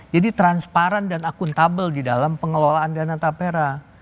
jadi transparan dan akuntabel di dalam pengelolaan dana tafera